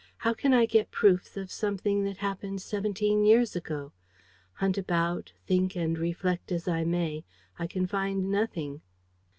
How can I get proofs of something that happened seventeen years ago? Hunt about, think and reflect as I may, I can find nothing.